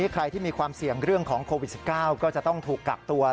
ใครที่มีความเสี่ยงเรื่องของโควิด๑๙ก็จะต้องถูกกักตัว